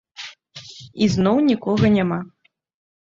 І зноў нікога няма.